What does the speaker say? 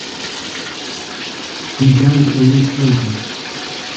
He died a week later.